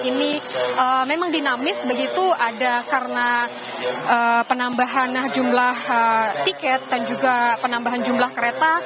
ini memang dinamis begitu ada karena penambahan jumlah tiket dan juga penambahan jumlah kereta